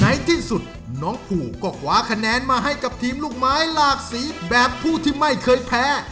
ในที่สุดน้องภูก็คว้าคะแนนมาให้กับทีมลูกไม้หลากสีแบบผู้ที่ไม่เคยแพ้